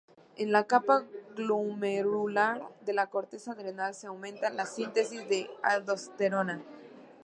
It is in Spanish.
En la capa glomerular de la corteza adrenal, se aumenta la síntesis de aldosterona.